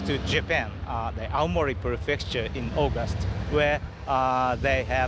ถึงว่าพวกสำหรับกรุงตรงการเบรค